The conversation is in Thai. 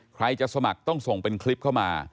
ใครจะสมัครต้องส่งเป็นคลิปเข้ามา